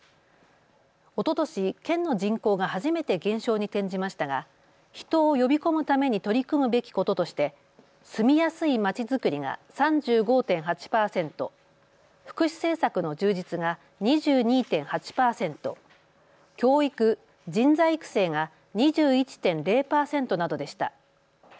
おととし県の人口が初めて減少に転じましたが人を呼び込むために取り組むべきこととして住みやすいまちづくりが３５．８％、福祉政策の充実が２２．８％、教育・人材育成が２１．０％などでした。